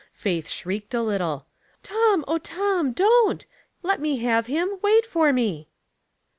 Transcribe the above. Faith shrieked a little. " Tom, O Tom, don't. Let me have him. Wait for me."